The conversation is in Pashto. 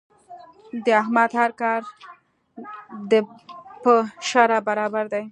د احمد هر کار د په شرعه برابر دی.